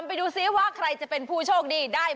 มอเตอร์ไซค์กันต่อไปเป็นของใด